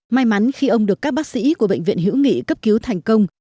may mắn khi ông được các bác sĩ của bệnh viện hữu nghị cấp cứu thành công